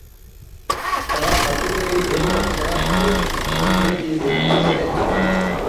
تا خاپولوی گو نہ ہرژا ہلتوس توکھ میدی منڈو چدید